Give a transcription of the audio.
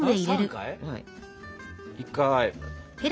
１回。